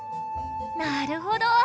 なるほど。